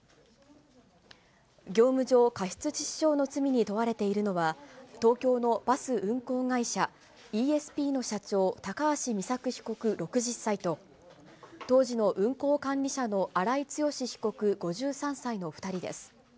業務上過失致死傷の罪に問われているのは、東京のバス運行会社、イーエスピーの社長、高橋美作被告６０歳と、当時の運行管理者の荒井強被告５３歳の２人です。